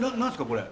これ。